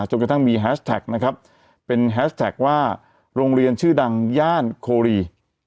จนกระทั่งมีแฮชแท็กนะครับเป็นแฮสแท็กว่าโรงเรียนชื่อดังย่านโครี